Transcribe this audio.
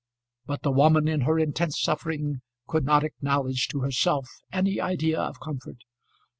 But the woman in her intense suffering could not acknowledge to herself any idea of comfort.